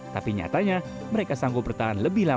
tapi nyatanya mereka sanggup bertahan lebih dari sembilan puluh hari